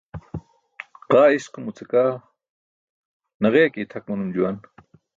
Ġaa iskumuce kaa naġe ke itʰak manum juwan.